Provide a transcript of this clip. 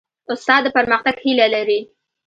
استاد د پرمختګ هیله لري.